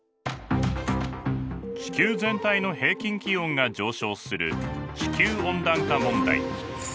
地球全体の平均気温が上昇する地球温暖化問題。